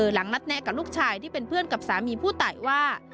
หลังนัดแนะกับลูกชายที่เป็นเพื่อนกับสามีผู้ตายว่า